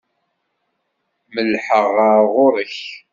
Mellḥeɣ ɣer ɣur-k?